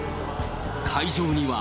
会場には。